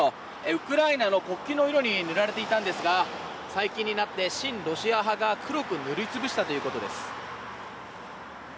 ウクライナの国旗の色に塗られていたんですが最近になって親ロシア派が黒く塗り潰したということです。